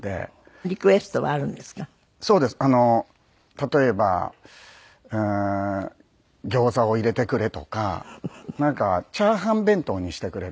例えば「ギョーザを入れてくれ」とかなんか「チャーハン弁当にしてくれ」とか。